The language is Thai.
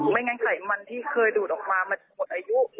ไม่งั้นไขมันที่เคยดูดออกมามันจะหมดอายุ